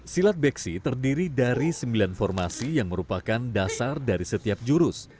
silat beksi terdiri dari sembilan formasi yang merupakan dasar dari setiap jurus